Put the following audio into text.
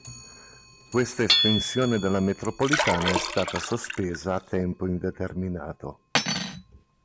Questa estensione della metropolitana è stata sospesa a tempo indeterminato.